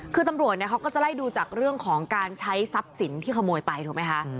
คือตำรวจเนี่ยเขาก็จะไล่ดูจากเรื่องของการใช้ทรัพย์สินที่ขโมยไปถูกไหมคะ